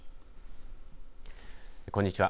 こんにちは。